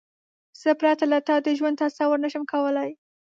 زه پرته له تا د ژوند تصور نشم کولای.